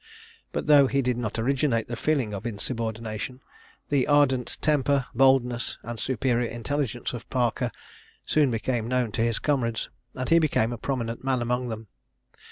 But though he did not originate the feeling of insubordination, the ardent temper, boldness, and superior intelligence of Parker, soon became known to his comrades, and he became a prominent man among them.